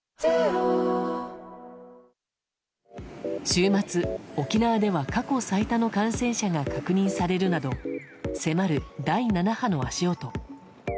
週末、沖縄では過去最多の感染者が確認されるなど迫る第７波の足音。